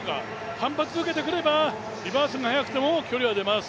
反発し続けていればリバースが速くても距離は出ます。